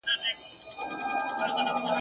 الوداع درڅخه ولاړم ستنېدل مي بیرته نسته ..